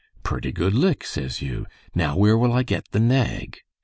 'Purty good lick,' says you; 'now where will I get the nag?'